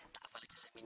tak apa cak samin